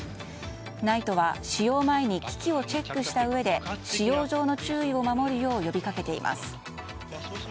ＮＩＴＥは使用前に機器をチェックしたうえで使用上の注意を守るよう呼びかけています。